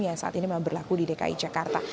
yang saat ini memang berlaku di dki jakarta